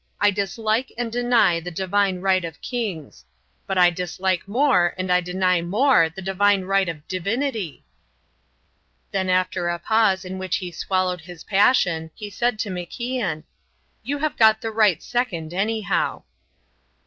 I dislike and I deny the divine right of kings. But I dislike more and I deny more the divine right of divinity." Then after a pause in which he swallowed his passion, he said to MacIan: "You have got the right second, anyhow."